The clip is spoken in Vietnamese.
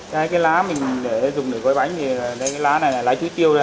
cái lá mình để dùng để gói bánh thì là lá này là lá chuối tiêu đây